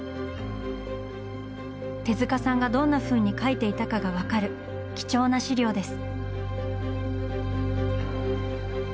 手さんがどんなふうに描いていたかが分かる貴重な資料です。